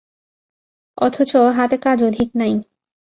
অথচ হাতে কাজ অধিক নাই।